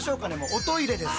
おトイレです。